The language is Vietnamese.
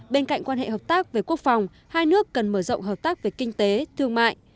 bên cạnh quan hệ hợp tác về quốc phòng hai nước cần mở rộng hợp tác về kinh tế thương mại